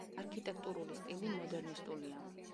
არქიტექტურული სტილი მოდერნისტულია.